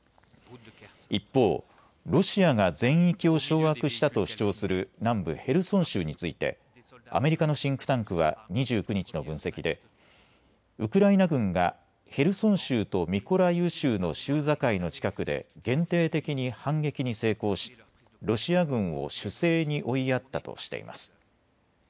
一方、ロシアが全域を掌握したと主張する南部ヘルソン州についてアメリカのシンクタンクは２９日の分析でウクライナ軍がヘルソン州とミコライウ州の州境の近くで限定的に反撃に成功しロシア軍を守勢に追いやったとしています。